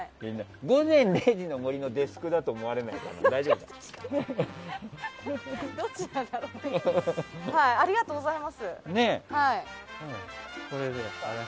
「午前０時の森」のデスクだと思われないかな？